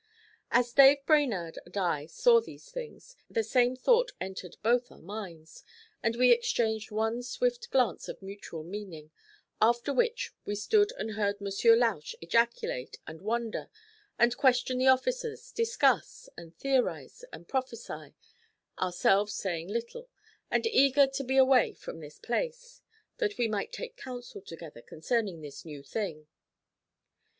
As Dave Brainerd and I saw these things, the same thought entered both our minds, and we exchanged one swift glance of mutual meaning, after which we stood and heard Monsieur Lausch ejaculate, and wonder, and question the officers, discuss, and theorize, and prophesy, ourselves saying little, and eager to be away from this place, that we might take counsel together concerning this new thing.